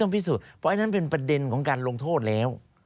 พิสูจน์เพราะอันนั้นเป็นประเด็นของการลงโทษแล้ว